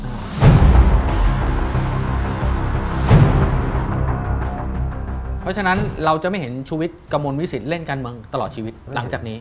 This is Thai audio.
เพราะฉะนั้นเราจะไม่เห็นชุวิตกระมวลวิสิตเล่นการเมืองตลอดชีวิตหลังจากนี้